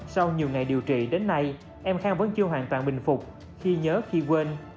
sau nhiều ngày điều trị đến nay em khang vẫn chưa hoàn toàn bình phục khi nhớ khi quên